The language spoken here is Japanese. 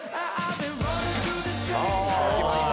さあきました。